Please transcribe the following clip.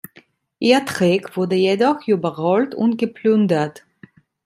Ihr Treck wurde jedoch überrollt und geplündert.